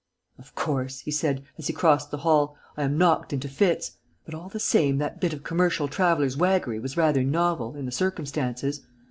"Of course," he said, as he crossed the hall, "I am knocked into fits. But all the same, that bit of commercial traveller's waggery was rather novel, in the circumstances.